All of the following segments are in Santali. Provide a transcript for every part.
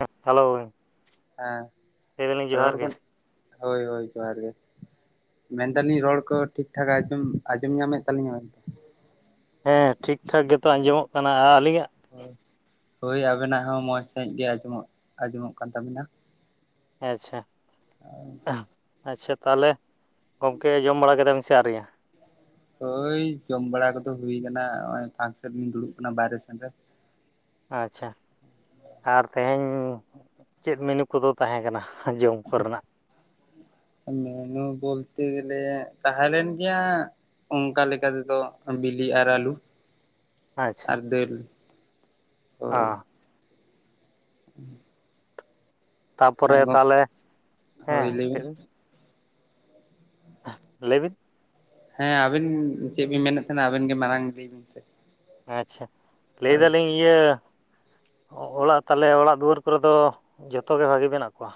[unintelligible] ᱦᱮᱞᱳ᱾ ᱞᱟᱹᱭ ᱫᱟᱞᱤᱧ ᱦᱮᱸ ᱡᱚᱦᱟᱨ ᱨᱚᱲ ᱜᱮ ᱵᱤᱱ, ᱦᱳᱭ ᱦᱳᱭ ᱡᱚᱦᱟᱨ ᱜᱮ᱾ ᱢᱮᱱᱫᱟᱞᱤᱧ ᱨᱚᱲ ᱠᱚ ᱴᱷᱤᱠ ᱴᱷᱟᱠ ᱟᱸᱡᱚᱢ ᱟᱸᱡᱚᱢ ᱧᱟᱢᱮᱫ ᱛᱟᱹᱞᱤᱧᱟ ᱵᱮᱱ ᱦᱮᱸ ᱴᱷᱤᱠᱼᱴᱷᱟᱠ ᱜᱮᱛᱚ ᱟᱸᱡᱚᱢᱚᱜ ᱠᱟᱱᱟ, ᱟᱹᱞᱤᱧᱟᱜ? ᱦᱳᱭ ᱟᱵᱮᱱᱟᱜ ᱦᱚᱸ ᱢᱚᱸᱡᱽ ᱥᱟᱹᱦᱤᱡ ᱜᱮ ᱟᱸᱡᱚᱢᱚᱜ, ᱟᱸᱡᱚᱢᱚᱜ ᱠᱟᱱ ᱛᱟᱵᱤᱱᱟ᱾ ᱟᱪᱪᱷᱟ, ᱟᱪᱪᱷᱟ ᱛᱟᱦᱚᱞᱮ ᱜᱚᱢᱠᱮ ᱡᱚᱢ ᱵᱟᱲᱟ ᱠᱮᱫᱟ ᱵᱤᱱ ᱥᱮ ᱟᱹᱣᱨᱤᱭᱟ? ᱦᱳᱭ ᱡᱚᱢ ᱵᱟᱲᱟ ᱠᱚᱫᱚ ᱦᱩᱭ ᱠᱟᱱᱟ ᱱᱚᱜ ᱚᱭ ᱯᱷᱟᱠ ᱥᱮᱫ ᱞᱤᱧ ᱫᱩᱲᱩᱵ ᱠᱟᱱᱟ ᱵᱟᱦᱨᱮ ᱥᱮᱱ ᱨᱮ᱾ ᱟᱪᱪᱷᱟ, ᱟᱨ ᱛᱮᱦᱮᱧ ᱪᱮᱫ ᱢᱮᱱᱩ ᱠᱚᱫᱚ ᱛᱟᱦᱮᱸ ᱠᱟᱱᱟ? ᱡᱚᱢ ᱠᱚᱨᱮᱱᱟᱜ? ᱢᱮᱱᱩ ᱵᱚᱞᱛᱮ ᱜᱮᱞᱮ ᱛᱟᱦᱮᱸ ᱞᱮᱱ ᱜᱮᱭᱟ ᱚᱱᱠᱟ ᱞᱮᱠᱟ ᱛᱮᱫᱚ ᱵᱤᱞᱤ ᱟᱨ ᱟᱞᱩ᱾ ᱟᱪᱪᱷᱟ ᱟᱨ ᱰᱟᱹᱞ ᱚ ᱦᱳᱭ᱾ ᱦᱩᱸ᱾ ᱛᱟᱯᱚᱨᱮ ᱛᱟᱦᱚᱞᱮ, ᱦᱮᱸ ᱦᱳᱭ ᱞᱟᱹᱭ ᱵᱤᱱ ᱛᱤᱨᱤᱵᱤᱱ [unintelligible] ᱞᱟᱹᱭ ᱵᱤᱱ᱾ ᱦᱮᱸ ᱟᱵᱤᱱ ᱪᱮᱫ ᱵᱤᱱ ᱢᱮᱱᱮᱫ ᱛᱟᱦᱮᱸᱱᱟ ᱟᱵᱤᱱ ᱜᱮ ᱢᱟᱨᱟᱝ ᱞᱟᱹᱭ ᱵᱤᱱ ᱥᱮ᱾ ᱟᱪᱪᱷᱟ, ᱞᱟᱹᱭ ᱦᱳᱭ ᱫᱟᱞᱤᱧ ᱤᱭᱟᱹ ᱚᱲᱟᱜ ᱛᱟᱞᱮ ᱚᱲᱟᱜ ᱫᱩᱣᱟᱹᱨ ᱠᱚᱨᱮ ᱫᱚ ᱡᱚᱛᱚ ᱵᱷᱟᱜᱮ ᱢᱮᱱᱟᱜ ᱠᱚᱣᱟ?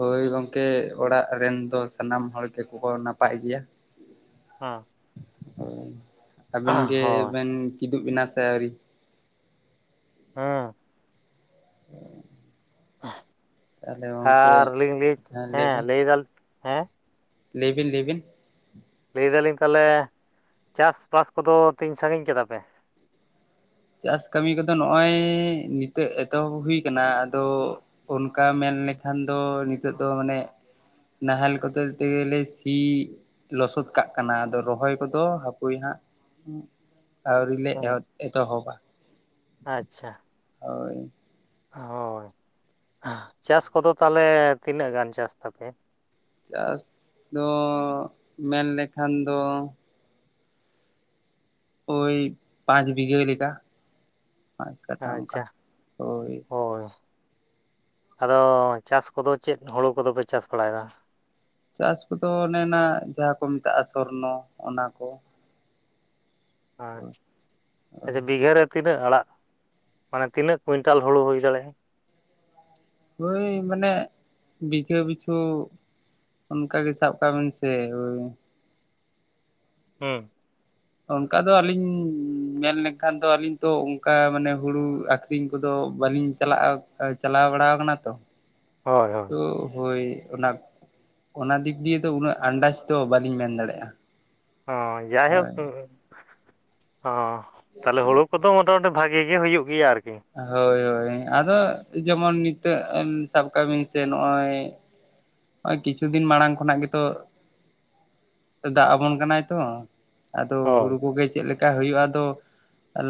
ᱦᱳᱭ ᱜᱚᱝᱠᱮ ᱚᱲᱟᱜ ᱨᱮᱱ ᱫᱚ ᱥᱟᱱᱟᱢ ᱦᱚᱲ ᱜᱮᱠᱚ ᱱᱟᱯᱟᱭ ᱜᱮᱭᱟ᱾ ᱦᱮᱸᱺ ᱦᱳᱭ ᱟᱵᱮᱱ ᱦᱳᱭ ᱜᱮᱵᱮᱱ ᱠᱤᱫᱩᱵ ᱵᱮᱱᱟ ᱥᱮ ᱟᱹᱣᱨᱤᱻ ᱦᱮᱸ᱾ [inaudible] ᱛᱟᱦᱚᱞᱮ ᱜᱚᱝᱠᱮ ᱟᱨᱞᱤᱤᱧ ᱦᱮᱸ ᱞᱟᱹᱭᱫᱟᱞᱤᱧ ᱦᱮᱸ ᱞᱟᱹᱭᱵᱤᱱ ᱞᱟᱹᱭᱵᱤᱱ᱾ ᱞᱟᱹᱭᱫᱟᱞᱤᱧ ᱛᱟᱦᱚᱞᱮ ᱪᱟᱥᱵᱟᱥ ᱠᱚᱫᱚ ᱛᱤᱧ ᱥᱟᱺᱜᱤᱧ ᱠᱮᱫᱟ ᱯᱮ? ᱪᱟᱥ ᱠᱟᱹᱢᱤ ᱠᱚᱫᱚ ᱱᱚᱜᱼᱚᱭ ᱱᱤᱛᱚᱜ ᱮᱛᱚᱦᱚᱵ ᱦᱩᱭ ᱠᱟᱱᱟ, ᱟᱫᱚ ᱚᱱᱠᱟ ᱢᱮᱱ ᱞᱮᱠᱷᱟᱱ ᱫᱚ ᱱᱤᱛᱚᱜ ᱫᱚ ᱢᱟᱱᱮ ᱱᱟᱦᱮᱞ ᱠᱚᱛᱮ ᱛᱮ ᱞᱮ ᱥᱤ ᱞᱚᱥᱚᱫ ᱠᱟᱜ ᱠᱟᱱᱟ, ᱟᱫᱚ ᱨᱚᱦᱚᱭ ᱠᱚᱫᱚ ᱦᱟᱯᱳᱭ ᱦᱟᱸᱜ ᱟᱹᱣᱨᱤ ᱞᱮ ᱦᱮᱸ ᱮᱦᱚ ᱮᱛᱚᱦᱚᱵᱟ᱾ ᱟᱪᱪᱷᱟ᱾ ᱦᱳᱭ᱾ ᱦᱳᱭ, ᱪᱟᱥ ᱠᱚᱫᱚ ᱛᱟᱦᱞᱮ ᱛᱤᱱᱟᱹᱜ ᱜᱟᱱ ᱪᱟᱥ ᱛᱟᱯᱮ? ᱪᱟᱥ ᱫᱚ ᱢᱮᱱᱞᱮᱠᱷᱟᱱ ᱫᱚ ᱳᱭ ᱯᱟᱸᱪ ᱵᱤᱜᱦᱟᱹ ᱞᱮᱠᱟ᱾ ᱯᱟᱸᱪ ᱠᱟᱴᱷᱟ ᱚᱱᱠᱟ ᱟᱪᱪᱷᱟ ᱦᱳᱭ ᱦᱳᱭ᱾ ᱟᱫᱚ ᱪᱟᱥ ᱠᱚᱫᱚ ᱪᱮᱫ ᱦᱩᱲᱩ ᱠᱚᱫᱚᱯᱮ ᱪᱟᱥ ᱵᱟᱲᱟᱭᱮᱫᱟ? ᱪᱟᱥ ᱠᱚᱫᱚ ᱚᱱᱮᱱᱟ ᱡᱟᱦᱟᱸ ᱠᱚ ᱢᱮᱛᱟᱜᱼᱟ ᱥᱚᱨᱱᱚ ᱚᱱᱟᱠᱚ᱾ ᱟᱪᱪᱷᱟ, ᱟᱪᱷᱟ ᱵᱤᱜᱷᱟᱹᱨᱮ ᱛᱤᱱᱟᱹᱜ ᱟᱲᱟᱜ ᱢᱟᱱᱮ ᱛᱤᱱᱟᱹᱜ ᱠᱩᱭᱤᱱᱴᱟᱞ ᱦᱩᱲᱩ ᱦᱩᱭ ᱫᱟᱲᱮᱭᱟᱜᱼᱟ? ᱳᱭ ᱢᱟᱱᱮ ᱵᱤᱜᱷᱟᱹ ᱯᱤᱪᱷᱩ ᱚᱱᱠᱟ ᱜᱮ ᱥᱟᱵ ᱠᱟᱜ ᱵᱮᱱ ᱥᱮ ᱦᱳᱭ ᱦᱮᱸ ᱚᱱᱠᱟ ᱫᱚ ᱟᱹᱞᱤᱧ ᱢᱮᱱ ᱞᱮᱱᱠᱷᱟᱱ ᱫᱚ ᱟᱹᱞᱤᱧ ᱛᱚ ᱚᱱᱠᱟ ᱢᱟᱱᱮ ᱦᱩᱲᱩ ᱟᱹᱠᱷᱨᱤᱧ ᱠᱚᱫᱚ ᱵᱟᱹᱞᱤᱧ ᱪᱟᱞᱟᱜᱼᱟ ᱪᱟᱞᱟᱣ ᱵᱟᱲᱟ ᱠᱟᱱᱟ ᱛᱚ ᱦᱳᱭ ᱦᱳᱭ ᱛ ᱦᱳᱭ ᱚᱱᱟ ᱚᱱᱟ ᱫᱤᱠ ᱫᱤᱭᱟᱹ ᱫᱚ ᱩᱱᱟᱹᱜ ᱟᱱᱫᱟᱡᱽ ᱫᱚ ᱵᱟᱟᱹᱞᱤᱧ ᱢᱮᱱ ᱫᱟᱲᱮᱭᱟᱜᱼᱟ ᱚ ᱡᱟᱭᱦᱳᱠ ᱦᱳᱭ ᱚ ᱛᱟᱦᱞᱮ ᱦᱩᱲᱩ ᱠᱚᱫᱚ ᱢᱚᱴᱟ ᱢᱩᱴᱤ ᱵᱷᱟᱜᱤ ᱜᱮ ᱦᱩᱭᱩᱜ ᱜᱮᱭᱟ ᱟᱨᱠᱤ ᱦᱳᱭ ᱦᱳᱭ ᱟᱫᱚ ᱡᱮᱢᱚᱱ ᱱᱤᱛᱚᱜ ᱥᱟᱵ ᱠᱟᱜ ᱵᱥᱮ ᱱᱚᱜᱼᱚᱭ ᱱᱚᱜ-ᱚᱭ ᱠᱤᱪᱷᱩ ᱫᱤᱱ ᱢᱟᱲᱟᱝ ᱠᱷᱚᱱᱟᱜ ᱜᱮᱛᱚ ᱫᱟᱜ ᱟᱵᱚᱱ ᱠᱟᱱᱟᱭ ᱛᱚ ᱟᱫᱚ ᱦᱳᱭ ᱦᱩᱲᱩ ᱠᱚᱜᱮ ᱪᱮᱫ ᱞᱮᱠᱟ ᱦᱩᱭᱩᱜᱼᱟ ᱟᱫᱚ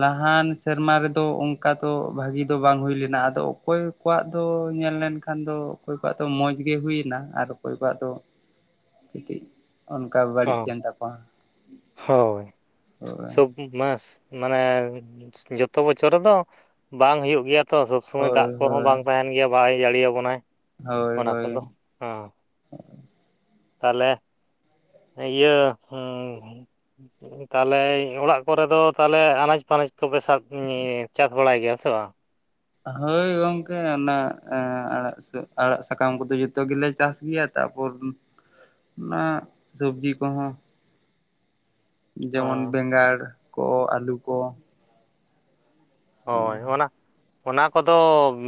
ᱞᱟᱦᱟᱱ ᱥᱮᱨᱢᱟ ᱨᱮᱫᱚ ᱚᱱᱠᱟ ᱫᱚ ᱵᱷᱟᱜᱤ ᱫᱚ ᱵᱟᱝ ᱦᱩᱭ ᱞᱮᱱᱟ ᱟᱫᱚ ᱚᱠᱚᱭ ᱟᱠᱚᱣᱟᱜ ᱫᱚ ᱧᱮᱞ ᱞᱮᱱᱠᱷᱟᱱ ᱫᱚ ᱚᱠᱚᱭ ᱠᱚᱣᱟᱜ ᱫᱚ ᱢᱚᱡᱽ ᱜᱮ ᱦᱩᱭ ᱱᱟ ᱟᱨ ᱚᱠᱚᱭ ᱠᱚᱣᱟᱜ ᱫᱚ ᱠᱟᱹᱡ ᱠᱟᱹᱢᱤᱡ ᱚᱱᱠᱟ ᱵᱟᱹᱲᱤᱡ ᱚ ᱮᱱ ᱛᱟᱠᱚᱣᱟ ᱦᱳᱭ ᱢᱥ ᱢᱟᱱᱮ ᱡᱚᱛᱚ ᱵᱚᱪᱷᱚᱨ ᱨᱮᱫᱚ ᱵᱟᱝ ᱦᱩᱭᱩᱜ ᱜᱮᱭᱟ ᱛᱚ ᱥᱚᱵᱽ ᱥᱚᱢᱚᱭ ᱦᱳᱭ ᱫᱟᱜ ᱠᱚᱦᱚᱸ ᱦᱳᱭ ᱵᱟᱝ ᱛᱟᱦᱮᱱ ᱜᱮᱭᱟ ᱵᱟᱭ ᱡᱟᱹᱲᱤᱭᱟᱵᱚᱱᱟᱭ ᱦᱳᱭ ᱚᱱᱟ ᱦᱳᱭ ᱠᱚᱫᱚ ᱦᱮᱸ ᱛᱟᱦᱚᱞᱮ ᱤᱭᱟᱹ ᱛᱟᱦᱚᱞᱮ ᱚᱲᱟᱜ ᱠᱚᱨᱮ ᱫᱚ ᱛᱟᱦᱚᱞᱮ ᱟᱱᱟᱡᱽ ᱯᱟᱱᱟᱪ ᱠᱚᱯᱮ ᱥᱟᱵ ᱪᱟᱥ ᱵᱟᱲᱟᱭ ᱜᱮᱭᱟ ᱥᱮ ᱵᱟᱝ ᱦᱳᱭ ᱜᱚᱝᱠᱮ ᱚᱱᱟ ᱟᱲᱟᱜ ᱥᱟᱠᱟᱢ ᱠᱚᱫᱚ ᱡᱚᱛᱚ ᱜᱮᱞᱮ ᱪᱟᱥ ᱜᱮᱭᱟ ᱛᱟᱯᱚᱨ ᱚᱱᱟ ᱥᱚᱵᱡᱤ ᱠᱚᱦᱚᱸ ᱡᱮᱢᱚᱱ ᱦᱚᱸ ᱵᱮᱸᱜᱟᱲ ᱠᱚ ᱟᱹᱞᱩ ᱠᱚ ᱦᱳᱭ ᱚᱱᱟ ᱚᱱᱟ ᱠᱚᱫᱚ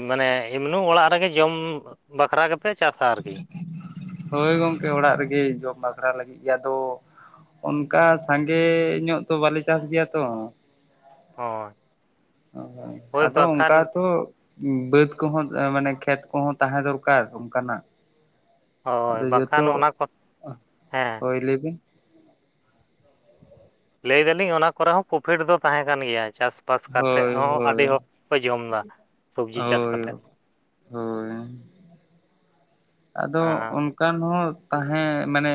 ᱢᱟᱱᱮ ᱮᱢᱱᱩ ᱚᱲᱟᱜ ᱨᱮᱜᱮ ᱡᱚᱢ ᱵᱟᱠᱷᱨᱟ ᱜᱮᱯᱮ ᱪᱟᱥᱟ ᱟᱨᱠᱤ ᱦᱳᱭ ᱜᱚᱝᱠᱮ ᱚᱲᱟᱜ ᱨᱮᱜᱮ ᱡᱚᱢ ᱵᱟᱠᱷᱨᱟ ᱞᱟᱹᱜᱤᱫ ᱜᱮ ᱟᱫᱚ ᱚᱱᱠᱟ ᱥᱟᱸᱜᱮ ᱧᱚᱜ ᱛᱚ ᱵᱟᱞᱮ ᱪᱟᱥ ᱜᱮᱭᱟ ᱛᱚ ᱦᱳᱭ ᱚ ᱦᱳᱭ ᱟᱫᱚ ᱵᱟᱝᱠᱷᱟᱱ ᱚᱱᱠᱟ ᱫᱚ ᱵᱟᱹᱫᱽ ᱠᱚᱦᱚᱸ ᱢᱟᱱᱮ ᱠᱷᱮᱛ ᱠᱚᱦᱚᱸ ᱛᱟᱦᱮᱸ ᱫᱚᱨᱠᱟᱨ ᱚᱱᱠᱟᱱᱟᱜ ᱦᱳᱭ ᱟᱫᱚ ᱵᱟᱝᱠᱷᱟᱱ ᱡᱚᱛᱚ ᱚᱱᱟ ᱠᱚ ᱦᱮᱸ ᱦᱳᱭ ᱞᱟᱹᱭᱵᱤᱱ ᱞᱟᱹᱭ ᱫᱟᱞᱤᱧ ᱚᱱᱟ ᱠᱚᱲᱟᱣ ᱦᱚᱸ ᱯᱨᱚᱯᱷᱤᱴ ᱫᱚ ᱛᱟᱦᱮᱸ ᱠᱟᱱ ᱜᱮᱭᱟ ᱪᱟᱥ ᱯᱟᱥ ᱠᱟᱛᱮᱫ ᱦᱳᱭ ᱦᱚᱸ ᱦᱳᱭ ᱟᱹᱰᱤ ᱦᱚᱠ ᱡᱚᱢᱫᱟ ᱥᱚᱵᱽᱡᱤ ᱪᱟᱥ ᱦᱳᱭ ᱠᱟᱛᱮᱫ ᱾ ᱦᱳᱭ ᱟᱫᱚ ᱦᱮᱸ ᱚᱱᱠᱟᱱ ᱦᱚᱸ ᱛᱟᱦᱮᱸ ᱢᱮᱱᱮ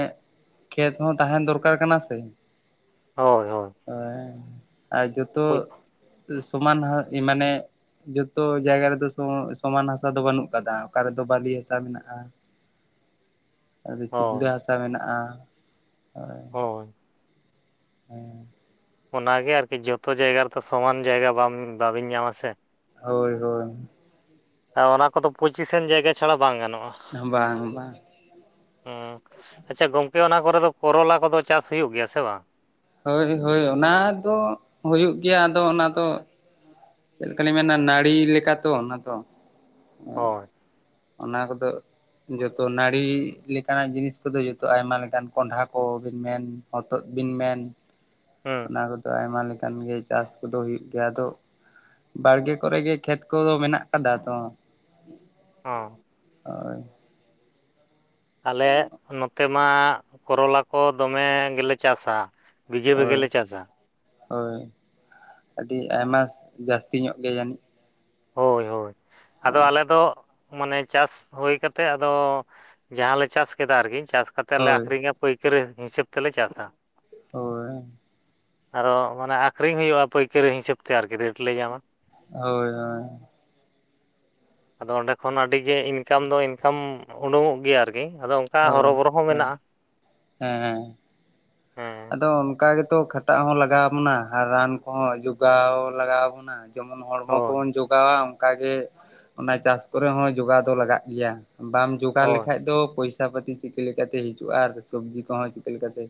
ᱠᱷᱮᱛ ᱦᱚᱸ ᱛᱟᱦᱮᱸᱱ ᱫᱚᱨᱠᱟᱨ ᱠᱟᱱᱟ ᱥᱮ ᱾ ᱦᱟᱭ ᱦᱚᱭ ᱾ ᱚᱭ ᱟᱨ ᱡᱚᱛᱚ ᱥᱚᱢᱟᱱ ᱢᱟᱱᱮ ᱡᱷᱚᱛᱚ ᱡᱟᱭᱜᱟ ᱨᱮᱫᱚ ᱥᱚᱢᱟᱱ ᱦᱟᱥᱟ ᱫᱚ ᱵᱟᱹᱱᱩᱜ ᱠᱟᱫᱟ, ᱚᱠᱟ ᱨᱮᱫᱚ ᱵᱟᱹᱞᱤ ᱦᱟᱥᱟ ᱢᱮᱱᱟᱜᱼᱟ ᱾ ᱟᱫᱚ ᱪᱤᱜᱞᱞᱟᱹ ᱦᱳᱭ ᱦᱟᱥᱟ ᱢᱮᱱᱟᱜᱼᱟ‌ ᱚᱭ ᱦᱳᱭ ᱦᱮᱸ ᱚᱱᱟᱜᱮ ᱟᱨᱠᱤ ᱡᱚᱛᱚ ᱡᱟᱭᱜᱟ ᱨᱮᱛᱚ ᱥᱚᱢᱟᱱ ᱡᱟᱭᱜᱟ ᱵᱟᱵᱮᱱ ᱧᱟᱢᱟ ᱥᱮ ᱾ ᱦᱳᱭ ᱦᱳᱭ ᱚᱱᱟ ᱠᱚᱫᱚ ᱯᱚᱸᱪᱤᱥᱟᱱ ᱡᱟᱭᱜᱟ ᱪᱷᱟᱲᱟ ᱵᱟᱝ ᱜᱟᱱᱚᱜᱼᱟ ᱾ ᱵᱟᱝ ᱵᱟᱝ ᱟᱪᱪᱷᱟ ᱜᱚᱝᱠᱮ ᱚᱱᱟ ᱠᱚᱨᱮ ᱫᱚ ᱠᱚᱨᱚᱞᱟ ᱠᱚᱫᱚ ᱪᱟᱥ ᱦᱩᱭᱩᱜ ᱜᱮᱭᱟ ᱥᱮ ᱵᱟᱝ? ᱦᱳᱭ ᱦᱳᱭ ᱚᱱᱟ ᱫᱚ ᱦᱩᱭᱩᱜ ᱜᱮᱭᱟ ᱟᱫᱚ ᱚᱱᱟ ᱫᱚ ᱪᱮᱜ ᱞᱮᱠᱟ ᱢᱮᱱᱟ ᱱᱟᱲᱤ ᱞᱮᱠᱟ ᱛᱚ ᱚᱱᱟ ᱛᱚ᱾ ᱦᱳᱭ ᱚᱱᱟ ᱠᱚᱫᱚ ᱡᱷᱚᱛᱚ ᱱᱟᱹᱲᱤ ᱞᱮᱠᱟᱱᱟᱜ ᱡᱤᱱᱤᱥ ᱠᱚᱫᱚ ᱡᱷᱚᱛᱚ ᱟᱭᱢᱟ ᱞᱮᱠᱟᱱ ᱠᱚᱱᱰᱷᱟ ᱠᱚ ᱵᱮᱱ ᱢᱮᱱ ᱦᱚᱛᱚᱛ ᱵᱤᱱ ᱢᱮᱱ ᱦᱩᱸ ᱚᱱᱟ ᱠᱚᱫᱚ ᱟᱭᱢᱟ ᱞᱮᱠᱟᱱ ᱜᱮ ᱪᱟᱥ ᱠᱚᱫᱚ ᱦᱩᱭᱩᱜ ᱜᱮᱭᱟ ᱟᱫᱚ ᱵᱟᱲᱜᱮ ᱠᱚᱨᱮ ᱜᱮ ᱠᱷᱮᱛ ᱠᱚ ᱫᱚ ᱢᱮᱱᱟᱜ ᱠᱟᱫᱟ ᱛᱚ ᱚᱸ ᱳᱭ ᱟᱞᱮ ᱱᱚᱛᱮ ᱢᱟ ᱠᱚᱨᱚᱞᱟ ᱠᱚ ᱫᱚᱢᱮ ᱜᱮᱞᱮ ᱪᱟᱥᱟ ᱾ ᱵᱤᱡᱟᱹ ᱵᱮᱜᱮ ᱦᱳᱭ ᱞᱮ ᱪᱟᱥᱟ ᱾ ᱦᱳᱭ ᱟᱹᱰᱤ ᱟᱭᱢᱟᱥ ᱡᱟᱹᱥᱛᱤ ᱧᱚᱜ ᱜᱮ ᱡᱟᱱᱤᱡ ᱾ ᱦᱳᱭ ᱦᱳᱭ ᱟᱫᱚ ᱟᱞᱮ ᱫᱚ ᱢᱟᱱᱮ ᱪᱟᱥ ᱦᱳᱭ ᱠᱟᱛᱮᱫ ᱟᱫᱚ ᱡᱟᱦᱟᱸᱞᱮ ᱪᱟᱥ ᱠᱮᱫᱟ ᱟᱨᱠᱤ ᱪᱟᱥ ᱠᱟᱛᱮᱫ ᱞᱮ ᱦᱳᱭ ᱟᱠᱷᱨᱤᱧᱟ ᱯᱟᱹᱭᱠᱟᱹᱨᱟᱹ ᱦᱤᱥᱟᱹᱵ ᱛᱮᱞᱮ ᱪᱟᱥᱟ ᱾ ᱦᱳᱭ ᱟᱫᱚ ᱢᱟᱱᱮ ᱟᱠᱷᱨᱤᱧ ᱦᱩᱭᱩᱜᱼᱟ ᱯᱟᱹᱭᱠᱟᱹᱨᱤ ᱦᱤᱥᱟᱹᱵ ᱛᱮ ᱟᱨᱠᱤ ᱨᱮᱹᱴ ᱞᱮ ᱧᱟᱢᱟ ᱾ ᱦᱳᱭ ᱦᱳᱭ ᱟᱫᱚ ᱚᱸᱰᱮ ᱠᱷᱚᱱ ᱟᱹᱰᱤ ᱜᱮ ᱤᱱᱠᱟᱢ ᱫᱚ ᱤᱱᱠᱟᱢ ᱩᱰᱳᱝᱚᱜ ᱜᱮᱭᱟ ᱟᱨᱠᱤ ᱟᱫᱚ ᱚᱱᱠᱟ ᱦᱳᱭ ᱦᱚᱨᱚᱵᱚᱨᱚ ᱦᱚᱸ ᱦᱳᱭ ᱢᱮᱱᱟᱜᱼᱟ ᱦᱮᱸ ᱦᱮᱸ ᱦᱮᱸ ᱟᱫᱚ ᱚᱱᱠᱟ ᱜᱮᱛᱚ ᱠᱷᱟᱴᱟᱜ ᱦᱚᱸ ᱞᱟᱜᱟᱣ ᱵᱚᱱᱟ ᱟᱨ ᱨᱟᱱ ᱠᱚᱦᱚᱸ ᱡᱚᱜᱟᱣ ᱞᱟᱜᱟᱣ ᱵᱚᱱᱟ ᱾ ᱡᱮᱢᱚᱱ ᱦᱚᱲᱢᱚ ᱦᱳᱭ ᱠᱚᱵᱚᱱ ᱡᱩᱜᱟᱣᱟ ᱚᱝᱠᱟ ᱜᱮ ᱚᱱᱟ ᱪᱟᱥ ᱠᱚᱨᱮ ᱦᱚᱸ ᱡᱚᱜᱟᱣ ᱫᱚ ᱞᱟᱜᱟᱜ ᱜᱮᱭᱟ ᱾ ᱵᱟᱢ ᱡᱚᱜᱟᱲ ᱦᱳᱭ ᱞᱮᱠᱷᱟᱡ ᱫᱚ ᱯᱚᱭᱥᱟ ᱯᱟᱹᱛᱤ ᱪᱤᱠᱟᱹ ᱞᱮᱠᱟᱛᱮ ᱦᱤᱡᱩᱜᱼᱟ ᱟᱨ ᱥᱚᱵᱡᱤ ᱠᱚᱦᱚᱸ ᱪᱤᱠᱟᱹ ᱞᱮᱠᱟᱛᱮ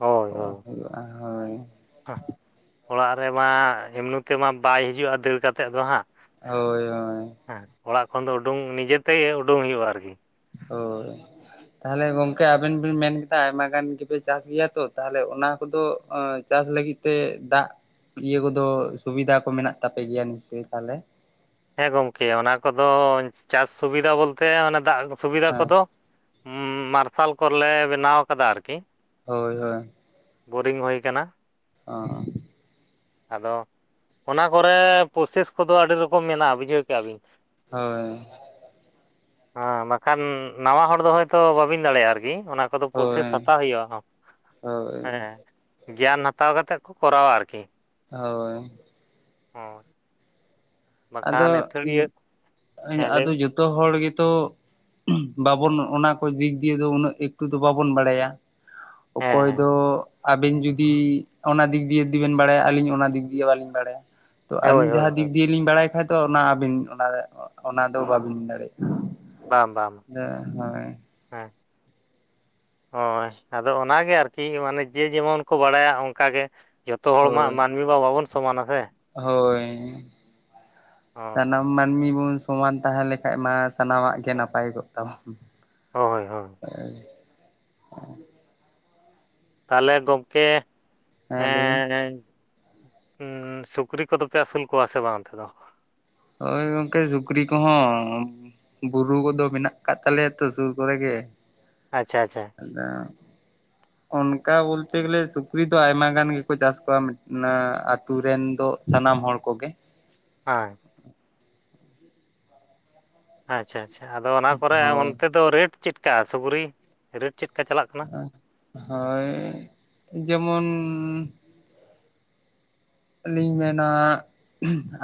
ᱦᱳᱭ ᱠᱚ ᱦᱳᱭ ᱦᱩᱭᱩᱜᱼᱟ ᱦᱳᱭ ᱚᱲᱟᱜ ᱨᱮᱢᱟ ᱮᱢᱱᱤ ᱛᱮᱢᱟ ᱵᱟᱭ ᱦᱤᱡᱩᱜᱼᱟ ᱫᱟᱹᱲ ᱠᱟᱛᱮ ᱫᱚ ᱦᱟᱸᱜ ᱾ ᱦᱳᱭ ᱦᱳᱭ ᱦᱮᱸ ᱚᱲᱟᱜ ᱠᱷᱚᱱ ᱫᱚ ᱩᱰᱳᱝ ᱱᱤᱡᱮ ᱛᱮᱜᱮ ᱩᱰᱳᱝ ᱦᱩᱭᱩᱜᱼᱟ ᱟᱨᱠᱤ ᱦᱳᱭ ᱛᱟᱦᱮᱞᱮ ᱜᱚᱝᱠᱮ ᱟᱵᱤᱱ ᱵᱤᱱ ᱢᱮᱱ ᱠᱮᱫᱟ ᱟᱭᱢᱟ ᱜᱟᱱ ᱜᱮᱯᱮ ᱪᱟᱥ ᱜᱮᱭᱟ ᱛᱚ ᱛᱟᱦᱚᱞᱮ ᱚᱱᱟ ᱠᱚᱫᱚ ᱪᱟᱥ ᱞᱟᱹᱜᱤᱫ ᱛᱮ ᱫᱟᱜ ᱤᱭᱟᱹ ᱠᱚᱫᱚ ᱥᱩᱵᱤᱫᱟ ᱠᱚ ᱢᱮᱱᱟᱜ ᱛᱟᱯᱮ ᱜᱮᱭᱟ ᱱᱤᱥᱪᱚᱭ ᱛᱟᱦᱞᱮ? ᱦᱮᱸ ᱜᱚᱝᱠᱮ ᱚᱱᱟ ᱠᱚᱫᱚ ᱪᱟᱥ ᱥᱩᱵᱤᱫᱟ ᱵᱚᱞᱛᱮ ᱚᱱᱮ ᱫᱟᱜ ᱥᱩᱵᱤᱫᱟ ᱦᱮᱸ ᱠᱚᱫᱚ ᱢᱟᱨᱥᱟᱞ ᱠᱚᱞᱞᱮ ᱵᱮᱱᱟᱣ ᱠᱟᱫᱟ ᱟᱨᱠᱤ ᱦᱳᱭ ᱦᱚᱭ [unintelligible] ᱾ ᱵᱳᱨᱤᱝ ᱦᱳᱭ ᱠᱟᱱᱟ ᱾ ᱚᱸ ᱟᱫᱚ ᱚᱱᱟ ᱠᱚᱨᱮ ᱯᱨᱚᱥᱮᱥ ᱠᱚᱫᱚ ᱟᱹᱰᱤ ᱨᱚᱠᱚᱢ ᱢᱮᱱᱟᱜᱼᱟ ᱵᱩᱡᱷᱟᱹᱣ ᱠᱮᱜᱼᱟ ᱵᱤᱱ ᱦᱳᱭ ᱦᱮᱸ ᱵᱟᱠᱷᱟᱱ ᱱᱟᱣᱟ ᱦᱚᱲ ᱫᱚ ᱦᱳᱭᱛᱚ ᱵᱟᱵᱤᱱ ᱫᱟᱲᱮᱜᱼᱟ ᱟᱨᱠᱤ ᱚᱱᱟ ᱟᱫᱚ ᱯᱨᱚᱥᱮᱥ ᱦᱳᱭ ᱦᱟᱛᱟᱣ ᱦᱩᱭᱩᱜᱼᱟ ᱦᱳᱭ ᱦᱮᱸ ᱜᱮᱭᱟᱱ ᱦᱟᱛᱟᱣ ᱠᱟᱛᱮᱫ ᱠᱚ ᱠᱚᱨᱟᱣᱟ ᱟᱨᱠᱤ ᱦᱳᱭ ᱦᱚ [unintelligible] ᱟᱫᱚ ᱤᱧ ᱦᱮᱸ [unintelligible] ᱞᱟᱹᱭ ᱟᱫᱚ ᱵᱤᱱ ᱡᱚᱛᱚ ᱡᱚᱛᱚ ᱦᱚᱲ ᱜᱮᱛᱚ [inaudible] ᱵᱟᱵᱚᱱ ᱚᱱᱟ ᱠᱚ ᱫᱤᱠ ᱫᱤᱭᱮ ᱫᱚ ᱩᱱᱟᱹᱜ ᱮᱠᱴᱩ ᱫᱚ ᱵᱟᱵᱚᱱ ᱵᱟᱲᱟᱭᱟ ᱦᱮᱸ ᱚᱠᱚᱭ ᱦᱮᱸ ᱫᱚ ᱟᱵᱮᱱ ᱡᱩᱫᱤ ᱚᱱᱟ ᱫᱤᱠ ᱫᱤᱭᱮ ᱡᱩᱫᱤ ᱵᱤᱱ ᱵᱟᱲᱟᱭᱟ ᱟᱹᱞᱤᱧ ᱚᱱᱟ ᱫᱤᱠ ᱫᱤᱭᱮ ᱵᱟᱟᱹᱞᱤᱧ ᱵᱟᱲᱟᱭᱟ ᱾ ᱛᱚ ᱦᱳᱭ ᱟᱞᱤᱧ ᱦᱳᱭ ᱡᱟᱦᱟᱸ ᱦᱳᱭ ᱫᱤᱠ ᱫᱤᱭᱮ ᱞᱤᱧ ᱵᱟᱲᱟᱭ ᱵᱟᱠᱷᱟᱡ ᱫᱚ ᱚᱱᱟ ᱟᱹᱵᱤᱱ ᱚᱱᱟ ᱨᱮ ᱚᱱᱟ ᱫᱚ ᱵᱟᱹᱵᱤᱱ ᱫᱟᱲᱮᱭᱟᱜᱼᱟ ᱾ ᱵᱟᱝ ᱵᱟᱝ ᱦᱮᱸ ᱦᱳᱭ ᱟᱫᱚ ᱚᱱᱟᱜᱮ ᱟᱨᱠᱤ ᱢᱟᱱᱮ ᱡᱮ ᱡᱮᱢᱚᱱ ᱠᱚ ᱵᱟᱲᱟᱭᱟ ᱚᱱᱠᱟᱜ ᱜᱮ ᱾ ᱡᱷᱚᱛᱚ ᱦᱚᱲ ᱢᱟ ᱦᱳᱭ ᱢᱟᱹᱱᱢᱤ ᱢᱟ ᱵᱟᱵᱚᱱ ᱥᱚᱢᱟᱱᱟ ᱥᱮ ᱦᱳᱭ ᱦᱳᱭ ᱥᱟᱱᱟᱢ ᱢᱟᱹᱱᱢᱤ ᱵᱚᱱ ᱥᱚᱢᱟᱱ ᱛᱟᱦᱮᱸ ᱞᱮᱠᱷᱟᱡ ᱢᱟ ᱥᱟᱱᱟᱢᱟᱜ ᱜᱮ ᱱᱟᱯᱟᱭ ᱠᱚᱜ ᱛᱟᱵᱚᱱ ᱦᱚᱭ [unintelligible] ᱛᱟᱞᱦᱮ ᱜᱚᱝᱠᱮ ᱦᱮᱸ ᱞᱟᱹᱭ ᱵᱤᱱ ᱮᱸᱻ ᱩᱸᱻ ᱥᱩᱠᱨᱤ ᱠᱚᱫᱚ ᱯᱮ ᱟᱹᱥᱩᱞ ᱠᱚᱣᱟ ᱥᱮ ᱵᱟᱝ ᱚᱱᱛᱮ ᱫᱚ ᱦᱳᱭ ᱜᱚᱝᱠᱮ ᱥᱩᱠᱨᱤ ᱠᱚᱦᱚᱸ ᱵᱩᱨᱩ ᱠᱚᱫᱚ ᱢᱮᱱᱟᱜ ᱠᱟᱜ ᱛᱟᱞᱮᱭᱟ ᱛᱚ ᱥᱩᱨ ᱠᱚᱨᱮ ᱜᱮ ᱟᱪᱪᱷᱟ ᱟᱪᱪᱷᱟ ᱟᱫᱚ ᱚᱱᱠᱟ ᱵᱚᱞᱛᱮ ᱜᱮᱞᱮ ᱥᱩᱠᱨᱤ ᱫᱚ ᱟᱭᱢᱟ ᱜᱟᱱ ᱜᱮᱠᱚ ᱪᱟᱥ ᱠᱚᱣᱟ ᱢᱟᱱᱮ ᱟᱛᱳ ᱨᱮᱱ ᱫᱚ ᱥᱟᱱᱟᱢ ᱦᱚᱲ ᱠᱚᱜᱮ ᱚ ᱟᱪᱪᱷᱟ ᱟᱪᱪᱷᱟ ᱟᱫᱚ ᱚᱱᱟ ᱠᱚᱨᱮ ᱦᱳᱭ ᱚᱱᱛᱮ ᱫᱚ ᱨᱮᱴ ᱪᱮᱫᱠᱟ ᱥᱩᱠᱨᱤ ᱨᱮᱴ ᱪᱮᱫ ᱞᱮᱠᱟ ᱪᱟᱞᱟᱜ ᱠᱟᱱᱟ ᱦᱚᱭ ᱡᱮᱢᱚᱱ ᱞᱤᱧ ᱢᱮᱱᱟ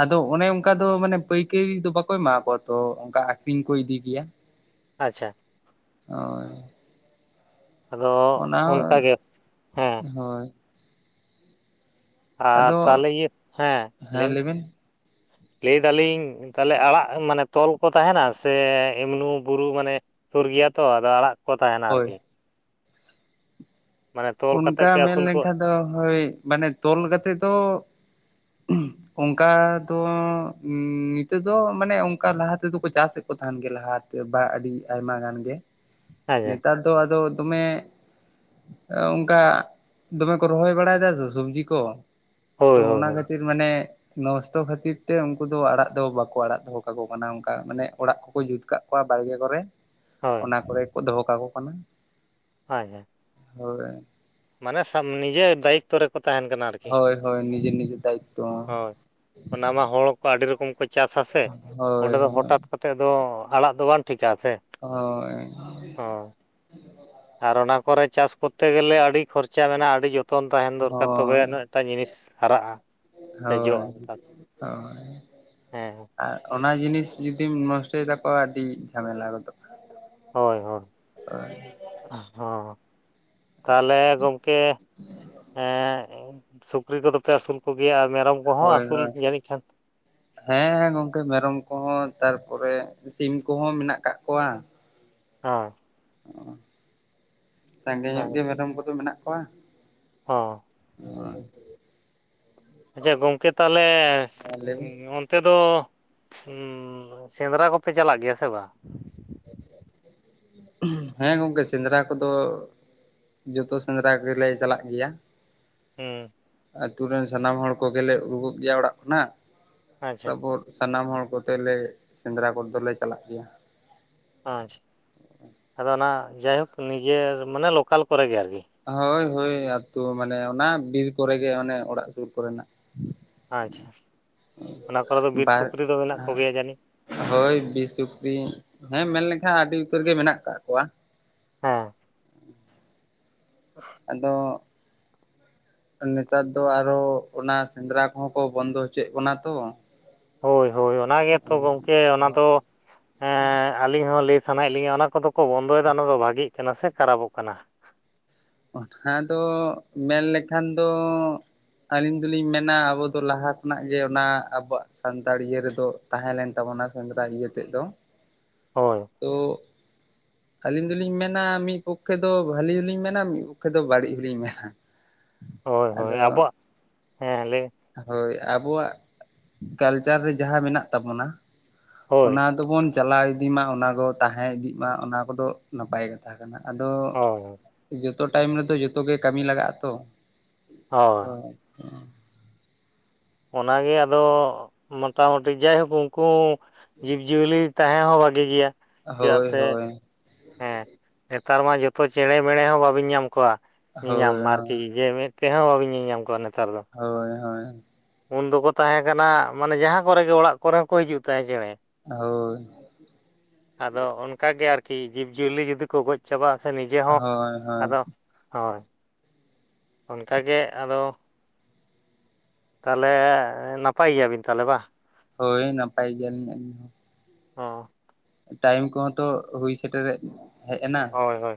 ᱟᱫᱚ ᱚᱱᱮ ᱚᱝᱠᱟ ᱫᱚ ᱢᱟᱱᱮ ᱯᱟᱹᱭᱠᱟᱹᱨᱤ ᱫᱚ ᱵᱟᱠᱚ ᱮᱢᱟ ᱠᱚᱣᱟ ᱛᱚ ᱚᱝᱠᱟ ᱟᱠᱷᱨᱤᱧ ᱠᱚ ᱤᱫᱤ ᱜᱮᱭᱟ [unintelligible] ᱦᱚᱭ ᱟᱫᱚ ᱚᱱᱠᱟ ᱦᱚᱸ ᱜᱮ ᱦᱮᱸ ᱦᱳᱭ ᱟᱨ ᱟᱫᱚ ᱛᱟᱞᱦᱮ ᱤᱭᱟᱹ ᱦᱮᱸ ᱞᱟᱹᱭ ᱵᱤᱱ ᱞᱟᱹᱭ ᱫᱟᱞᱤᱧ ᱛᱟᱞᱦᱮ ᱟᱲᱟᱜ ᱢᱟᱱᱮ ᱛᱚᱞ ᱠᱚ ᱛᱟᱦᱮᱱᱟ ᱥᱮ ᱮᱢᱱᱩ ᱵᱩᱨᱩ ᱢᱟᱱᱮ ᱥᱩᱨ ᱜᱮᱭᱟ ᱛᱚ ᱟᱫᱚ ᱟᱲᱟᱜ ᱠᱚ ᱛᱟᱸᱦᱮᱱᱟ ᱦᱳᱭ ᱟᱨᱠᱤ ᱢᱟᱱᱮ ᱛᱚᱞ ᱠᱟᱛᱮᱫ ᱚᱱᱠᱟ ᱯᱮ ᱢᱮᱱ ᱟᱹᱥᱩᱞ ᱠᱚᱣᱟ ᱞᱮᱱᱠᱷᱟᱡ ᱫᱚ ᱦᱳᱭ ᱢᱟᱱᱮ ᱛᱚᱞ ᱠᱟᱛᱮ ᱫᱚ ᱚᱱᱠᱟ ᱫᱚ ᱱᱤᱛᱳᱜ ᱫᱚ ᱢᱟᱱᱮ ᱚᱱᱠᱟ ᱞᱟᱦᱟ ᱛᱮᱫᱚ ᱠᱚ ᱪᱟᱥᱮᱫ ᱠᱚ ᱛᱟᱦᱮᱱ ᱜᱮ ᱞᱟᱦᱟ ᱛᱮ ᱵᱟ ᱟᱹᱰᱤ ᱟᱭᱢᱟ ᱜᱟᱱ ᱜᱮ ᱟᱪᱪᱷᱟ ᱱᱮᱛᱟᱨ ᱫᱚ ᱟᱫᱚ ᱫᱚᱢᱮ ᱚᱝᱠᱟ ᱫᱚᱢᱮ ᱠᱚ ᱨᱚᱦᱚᱭ ᱵᱟᱲᱟᱭ ᱫᱟ ᱛᱚ ᱥᱚᱵᱡᱤ ᱠᱚ ᱛᱚ ᱦᱳᱭ ᱦᱳᱭ ᱚᱱᱟ ᱦᱳᱭ ᱠᱷᱟᱹᱛᱤᱨ ᱢᱟᱱᱮ ᱱᱚᱥᱴᱚ ᱠᱷᱟᱹᱛᱤᱨ ᱛᱮ ᱩᱱᱠᱩ ᱫᱚ ᱟᱲᱟᱜ ᱫᱚ ᱵᱟᱠᱚ ᱟᱲᱟᱜ ᱫᱚᱦᱚ ᱠᱟᱠᱚ ᱠᱟᱱᱟ ᱚᱱᱠᱟ ᱢᱟᱱᱮ ᱚᱲᱟᱜ ᱠᱚᱠᱚ ᱡᱩᱛ ᱠᱟᱜ ᱠᱚᱣᱟ ᱵᱟᱲᱜᱮ ᱠᱚᱨᱮ ᱦᱳᱭ ᱚᱱᱟ ᱠᱚᱨᱮ ᱜᱮ ᱠᱚ ᱫᱚᱦᱚ ᱠᱟᱠᱚ ᱠᱟᱱᱟ ᱦᱚᱭ ᱦᱚᱭ ᱦᱳᱭ ᱢᱟᱱᱮ ᱥᱟᱵ ᱱᱤᱡᱮ ᱫᱟᱭᱤᱛᱛᱚ ᱨᱮᱠᱚ ᱛᱟᱸᱦᱮᱱ ᱠᱟᱱᱟ ᱟᱨᱠᱤ, ᱦᱳᱭ ᱦᱳᱭ ᱱᱤᱡᱮᱨ ᱱᱤᱡᱮᱨ ᱫᱟᱭᱤᱛᱛᱚ ᱦᱳᱭ ᱚᱱᱟ ᱢᱟ ᱦᱚᱲ ᱠᱚ ᱟᱹᱰᱤ ᱨᱚᱠᱚᱢ ᱠᱚ ᱪᱟᱥᱟ ᱥᱮ ᱦᱳᱭ ᱚᱸᱰᱮ ᱫᱚ ᱦᱳᱭ ᱦᱚᱴᱟᱛ ᱠᱟᱛᱮ ᱛᱮ ᱫᱚ ᱟᱲᱟᱜ ᱫᱚ ᱵᱟᱝ ᱴᱷᱤᱠᱟ ᱥᱮ ᱦᱳᱭ ᱦᱳᱭ ᱟᱨ ᱚᱱᱟ ᱠᱚᱨᱮ ᱪᱟᱥ ᱠᱚᱨᱛᱮ ᱜᱮᱞᱮ ᱟᱹᱰᱤ ᱠᱷᱚᱨᱪᱟ ᱢᱮᱱᱟᱜ-ᱟ ᱟᱹᱰᱤ ᱡᱚᱨ ᱡᱚᱛᱚᱱ ᱛᱟᱦᱮᱱ ᱫᱚᱨᱠᱟᱨ ᱦᱳᱭ ᱛᱚᱵᱮᱭᱱᱟ ᱮᱴᱟᱜ ᱡᱤᱱᱤᱥ ᱦᱟᱨᱟᱜ-ᱟ ᱥᱮ ᱦᱳᱭ ᱡᱚᱜ-ᱟ ᱦᱳᱭ ᱦᱮᱸᱸ ᱟᱨ ᱚᱱᱟ ᱡᱤᱱᱤᱥ ᱡᱩᱫᱤᱢ ᱱᱚᱥᱴᱚᱭ ᱛᱟᱠᱚᱣᱟ ᱟᱹᱰᱤ ᱡᱷᱟᱢᱮᱞᱟ ᱜᱚᱫᱚᱜ-ᱟ ᱦᱳᱭ ᱦᱳᱭ ᱦᱚᱸ ᱛᱟᱦᱞᱮ ᱜᱚᱝᱠᱮ ᱮᱸᱜ ᱥᱩᱠᱨᱤ ᱠᱚᱫᱚ ᱯᱮ ᱟᱹᱥᱩᱞ ᱠᱚᱜᱮᱭᱟ ᱟᱨ ᱢᱮᱨᱚᱢ ᱠᱚᱦᱚᱸ ᱦᱳᱭ ᱟᱹᱥᱩᱞ ᱦᱳᱭ ᱡᱟᱹᱱᱤᱡ ᱠᱷᱟᱱ ᱦᱮᱸ ᱜᱚᱝᱠᱮ ᱢᱮᱨᱚᱢ ᱠᱚᱦᱚᱸ ᱛᱟᱨᱯᱚᱨᱮ ᱥᱤᱢ ᱠᱚᱦᱚᱸ ᱢᱮᱱᱟᱜ ᱠᱟᱜ ᱠᱚᱣᱟ ᱦᱚᱸ ᱚ, ᱥᱟᱸᱜᱮ ᱧᱚᱜ ᱦᱮᱸ ᱜᱮ ᱢᱮᱨᱚᱢ ᱠᱚᱫᱚ ᱢᱮᱱᱟᱜ ᱠᱚᱣᱟ ᱦᱚᱸ ᱦᱳᱭ ᱟᱪᱪᱷᱟ ᱜᱚᱝᱠᱮ ᱛᱟᱦᱞᱮ ᱦᱮᱸ ᱞᱟᱹᱭᱵᱤᱱ ᱚᱱᱛᱮ ᱫᱚ ᱥᱮᱸᱫᱽᱨᱟ ᱠᱚᱯᱮ ᱪᱟᱞᱟᱜ ᱜᱮᱭᱟ ᱥᱮ ᱵᱟᱝ [unintelligible] ᱦᱮᱸ ᱜᱚᱢᱠᱮ ᱥᱮᱸᱫᱽᱨᱟ ᱠᱚᱫᱚ ᱡᱚᱛᱚ ᱥᱮᱸᱫᱽᱨᱟ ᱜᱮᱞᱮ ᱪᱟᱞᱟᱜ ᱜᱮᱭᱟ᱾ ᱦᱮᱸ᱾ ᱟᱛᱩ ᱨᱮᱱ ᱥᱟᱱᱟᱢ ᱦᱚᱲ ᱠᱚᱜᱮ ᱞᱮ ᱩᱰᱩᱜ ᱜᱮᱭᱟ ᱚᱲᱟᱜ ᱠᱷᱚᱱᱟᱜ ᱟᱪᱪᱷᱟ ᱛᱟᱯᱚᱨ ᱥᱟᱱᱟᱢ ᱦᱚᱲ ᱠᱚᱛᱮ ᱞᱮ ᱥᱮᱸᱫᱽᱨᱟ ᱠᱚ ᱫᱚ ᱞᱮ ᱪᱟᱞᱟᱜ ᱜᱮᱭᱟ᱾ ᱟᱪᱪᱷᱟ᱾ ᱟᱫᱚ ᱚᱱᱟ ᱡᱟᱭᱦᱳᱠ ᱱᱤᱡᱮᱨ ᱢᱟᱱᱮ ᱞᱳᱠᱟᱞ ᱠᱚᱨᱮ ᱜᱮ ᱟᱨᱠᱤ ᱦᱳᱭ ᱦᱳᱭ ᱟᱛᱳ ᱢᱟᱱᱮ ᱚᱱᱟ ᱵᱤᱨ ᱠᱚᱨᱮ ᱜᱮ ᱚᱱᱮ ᱚᱲᱟᱜ ᱥᱩᱨ ᱠᱚᱨᱮᱱᱟᱜ ᱟᱪᱪᱷᱟ᱾ [unintelligible] ᱚᱱᱟ ᱠᱚᱨᱮ ᱫᱚ ᱵᱤᱨ ᱵᱟᱨ ᱥᱩᱠᱨᱤ ᱫᱚ ᱢᱮᱱᱟᱜ ᱠᱚᱜᱮᱭᱟ ᱡᱟᱹᱱᱤᱡ ᱦᱳᱭ ᱵᱤᱨ ᱥᱩᱠᱨᱤ ᱦᱮᱸ ᱢᱮᱱᱞᱠᱷᱟᱱ ᱟᱹᱰᱤ ᱩᱛᱟᱹᱨ ᱜᱮ ᱢᱮᱱᱟᱜ ᱟᱠᱟᱫ ᱠᱚᱣᱟ᱾ ᱦᱮᱸ᱾ [unintelligible] ᱟᱫᱚ [unintelligible] ᱱᱮᱛᱟᱨ ᱫᱚ ᱟᱨᱦᱚ ᱚᱱᱟ ᱥᱮᱸᱫᱽᱨᱟ ᱠᱚᱦᱚᱸ ᱠᱚ ᱵᱚᱱᱫᱚ ᱦᱚᱪᱚᱭᱮᱫ ᱵᱚᱱᱟ ᱛᱚ᱾ ᱦᱳᱭ ᱦᱳᱭ ᱚᱱᱟ ᱜᱮᱛᱚ ᱜᱚᱢᱠᱮ ᱚᱱᱟ ᱫᱚ ᱦᱮᱸ ᱟᱹᱞᱤᱧ ᱦᱚᱸ ᱞᱟᱹᱭ ᱥᱟᱱᱟᱭᱮᱫ ᱞᱤᱧᱟᱹ ᱚᱱᱟ ᱠᱚᱫᱚ ᱠᱚ ᱵᱚᱱᱫᱚᱭᱮᱫᱟ ᱚᱱᱟ ᱫᱚ ᱵᱷᱟᱜᱤᱜ ᱠᱟᱱᱟ ᱥᱮ ᱠᱷᱟᱨᱟᱯᱚᱜ ᱠᱟᱱᱟ? ᱚᱱᱟᱫᱚ ᱢᱮᱱᱞᱠᱷᱟᱱ ᱫᱚ ᱟᱹᱞᱤᱧ ᱫᱚᱞᱤᱧ ᱢᱮᱱᱟ ᱟᱵᱚ ᱫᱚ ᱞᱟᱦᱟ ᱠᱷᱚᱱᱟᱜ ᱜᱮ ᱚᱱᱟ ᱟᱵᱚᱣᱟᱜ ᱥᱟᱱᱛᱟᱲ ᱤᱭᱟᱹ ᱨᱮᱫᱚ ᱛᱟᱦᱮᱸ ᱞᱮᱱ ᱛᱟᱵᱚᱱᱟ ᱥᱮᱸᱫᱽᱨᱟ ᱤᱭᱟᱹ ᱛᱮᱫ ᱫᱚ ᱦᱳᱭ᱾ ᱛᱚ ᱟᱹᱞᱤᱧ ᱫᱚᱞᱤᱧ ᱢᱮᱱᱟ ᱢᱤᱫ ᱯᱚᱠᱠᱷᱮ ᱫᱚ ᱵᱷᱟᱹᱞᱤ ᱦᱚᱸᱞᱤᱧ ᱢᱮᱱᱟ ᱢᱤᱫ ᱯᱚᱠᱠᱷᱮ ᱫᱚ ᱵᱟᱹᱲᱤᱡ ᱦᱚᱞᱤᱧ ᱢᱮᱱᱟ᱾ ᱦᱳᱭ ᱦᱳᱭ ᱟᱫᱚ ᱟᱵᱚᱣᱟᱜ, ᱦᱮᱸ ᱞᱟᱹᱭ ᱢᱮ ᱦᱳᱭ ᱟᱵᱚᱣᱟᱜ ᱠᱟᱞᱪᱟᱨ ᱨᱮ ᱡᱟᱦᱟᱸ ᱢᱮᱱᱟᱜ ᱛᱟᱵᱚᱱᱟ ᱦᱳᱭ ᱚᱱᱟ ᱫᱚᱵᱚᱱ ᱪᱟᱞᱟᱣ ᱤᱫᱤ ᱢᱟ ᱚᱱᱟ ᱫᱚ ᱛᱟᱦᱮᱸ ᱤᱫᱤᱜ ᱢᱟ ᱚᱱᱟ ᱠᱚᱫᱚ ᱱᱟᱯᱟᱭ ᱠᱟᱛᱷᱟ ᱠᱟᱱᱟ ᱟᱫᱚ ᱦᱳᱭ [unintelligible] ᱡᱚᱛᱚ ᱴᱟᱭᱤᱢ ᱨᱮᱫᱚ ᱡᱚᱛᱚ ᱜᱮ ᱠᱟᱹᱢᱤ ᱞᱟᱜᱟᱜ-ᱟ ᱛᱚ᱾ ᱦᱳᱭ [unintelligible] ᱚᱱᱟᱜᱮ ᱟᱫᱚ ᱢᱳᱴᱟᱢᱩᱴᱤ ᱡᱟᱭᱦᱳᱠ ᱩᱱᱠᱩ ᱡᱤᱵᱽ-ᱡᱤᱭᱟᱹᱞᱤ ᱛᱟᱦᱮᱸ ᱦᱚᱸ ᱵᱷᱟᱹᱜᱤ ᱜᱮᱭᱟ ᱪᱮᱫᱟᱜ ᱦᱳᱭ ᱥᱮ ᱦᱳᱭ ᱦᱮᱸ ᱱᱮᱛᱟᱨ ᱢᱟ ᱡᱚᱛᱚ ᱪᱮᱬᱮ ᱢᱮᱲᱮ ᱦᱚᱸ ᱵᱟᱹᱵᱤᱱ ᱧᱟᱢ ᱠᱚᱣᱟ ᱧᱮᱧᱟᱢ ᱦᱳᱭ ᱟᱨᱠᱤ ᱡᱮ ᱢᱤᱫ ᱛᱮᱦᱚᱸ ᱵᱟᱵᱤᱱ ᱧᱮᱞᱧᱟᱢ ᱠᱚᱣᱟ ᱱᱮᱛᱟᱨ ᱫᱚ᱾ ᱦᱳᱭ ᱦᱳᱭ᱾ ᱩᱱ ᱫᱚᱠᱚ ᱛᱟᱦᱮᱸ ᱠᱟᱱᱟ ᱢᱟᱱᱮ ᱡᱟᱦᱟᱸ ᱠᱚᱨᱮ ᱜᱮ ᱚᱲᱟᱜ ᱠᱚᱨᱮ ᱦᱚᱸᱠᱚ ᱦᱤᱡᱩᱜ ᱛᱟᱦᱮᱸᱫ ᱪᱮᱬᱮ᱾ ᱦᱳᱭ᱾ ᱟᱫᱚ ᱚᱱᱠᱟ ᱜᱮ ᱟᱨᱠᱤ ᱡᱤᱵᱽ ᱡᱤᱭᱟᱹᱞᱤ ᱡᱩᱫᱤ ᱠᱚ ᱜᱚᱡᱽ ᱪᱟᱵᱟᱜᱟ ᱥᱮ ᱱᱤᱡᱮ ᱦᱚᱸ ᱦᱳᱭ ᱦᱳᱭ ᱟᱫᱚ ᱦᱳᱭ [unintelligible] ᱚᱱᱠᱟ ᱜᱮ ᱟᱫᱚ ᱛᱟᱦᱚᱞᱮ ᱱᱟᱯᱟᱭ ᱜᱮᱭᱟᱵᱤᱱ ᱛᱟᱦᱚᱞᱮ ᱵᱟᱝ? ᱦᱳᱭ ᱱᱟᱯᱟᱭ ᱜᱮᱭᱟᱞᱤᱧ ᱟᱞᱤᱧ ᱦᱚ। [unintelligible] ᱚ ᱴᱟᱭᱤᱢ ᱠᱚᱦᱚᱸ ᱛᱚ ᱦᱩᱭ ᱥᱮᱴᱮᱨ ᱦᱮᱫ ᱦᱮᱡ ᱮᱱᱟ᱾ ᱦᱳᱭ ᱦᱳᱭ᱾